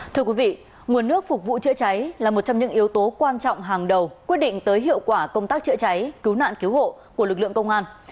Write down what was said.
thưa quý vị nguồn nước phục vụ chữa cháy là một trong những yếu tố quan trọng hàng đầu quyết định tới hiệu quả công tác chữa cháy cứu nạn cứu hộ của lực lượng công an